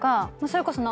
それこそ。